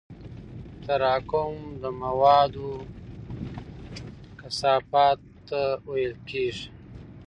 تراکم د موادو کثافت ته ویل کېږي.